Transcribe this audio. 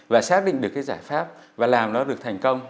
và xác định được cái giải pháp và làm nó được thành công